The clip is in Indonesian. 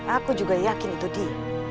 aku juga yakin itu dia